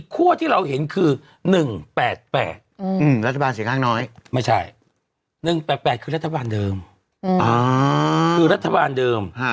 คือรัฐบาลเดิม